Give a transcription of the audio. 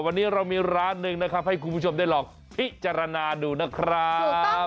วันนี้เรามีร้านหนึ่งนะครับให้คุณผู้ชมได้ลองพิจารณาดูนะครับ